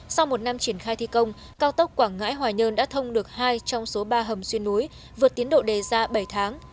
sau một năm triển khai thi công cao tốc quảng ngãi hòa nhơn đã thông được hai trong số ba hầm xuyên núi vượt tiến độ đề ra bảy tháng